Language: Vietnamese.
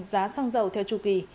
giá xăng dầu theo chủ kỳ